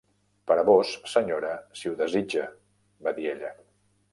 "Per a vós, senyora, si ho desitja", va dir ella.